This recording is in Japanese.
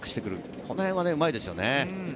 この辺はうまいですね。